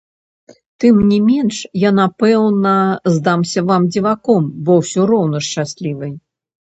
Тым не менш я, напэўна, здамся вам дзіваком, бо ўсё роўна шчаслівы.